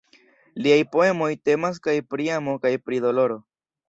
Liaj poemoj temas kaj pri amo kaj pri doloro.